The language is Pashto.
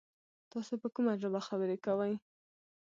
تاسو په کومه ژبه خبري کوی ؟